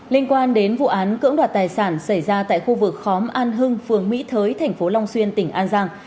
liên quan đến vụ án cưỡng đoạt tài sản xảy ra tại khu vực khóm an hưng phường mỹ thới thành phố long xuyên tỉnh an giang